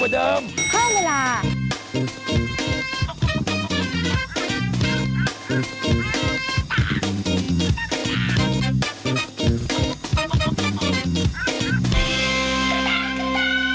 โปรดติดตามตอนต่อไป